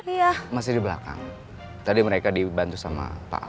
iya masih di belakang tadi mereka dibantu sama pak